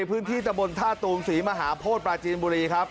ภื้นที่สมบลธาตุฏุศรีมหาโพธิ์ปลาจีนบุรีครับ